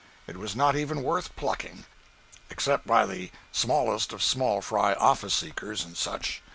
It was not even worth plucking—except by the smallest of small fry office seekers and such.